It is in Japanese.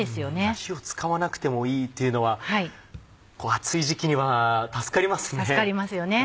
火を使わなくてもいいっていうのは暑い時期には助かりますね。